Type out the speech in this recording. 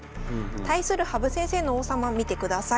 対する羽生先生の王様見てください。